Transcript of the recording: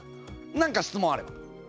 何か質問あれば。